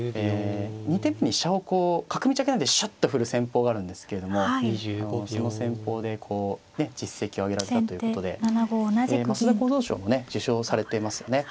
２手目に飛車をこう角道開けないでシャッと振る戦法があるんですけれどもその戦法で実績をあげられたということで升田幸三賞もね受賞されてますよね。